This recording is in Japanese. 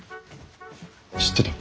知ってた？